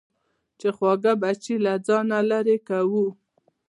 چې خواږه بچي له ځانه لېرې کوو.